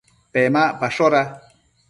Pemacpashoda